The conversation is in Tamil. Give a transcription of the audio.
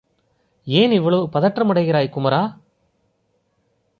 ஏன் இவ்வளவு பதற்றமடைகிறாய் குமரா?